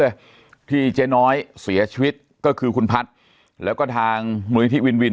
เพื่อที่เจ๊น้อยเสียชีวิตก็คือคุณพัดแล้วก็ทางมือที่วินวิน